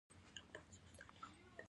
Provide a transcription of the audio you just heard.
موږ د خپل ځان لپاره ذاتي ارزښت لرو.